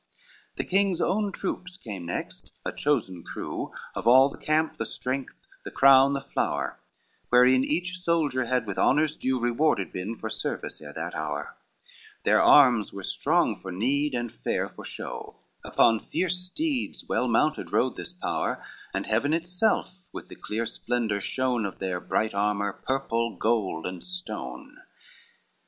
XXIX The king's own troop come next, a chosen crew, Of all the camp the strength, the crown, the flower, Wherein each soldier had with honors due Rewarded been, for service ere that hour; Their arms were strong for need, and fair for show, Upon fierce steeds well mounted rode this power, And heaven itself with the clear splendor shone Of their bright armor, purple, gold and stone.